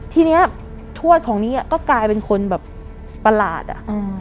ทีนี้ทวดของนี้ก็กลายเป็นคนแบบประหลาดอะ